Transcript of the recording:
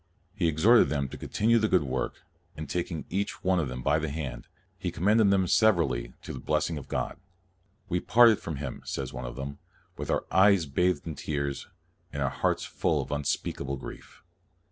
He exhorted them to continue the good work, and taking each one by the hand, he commended them severally to the blessing of God. " We parted from him," says one of them, " with our eyes bathed in tears, and our hearts full of unspeak able grief."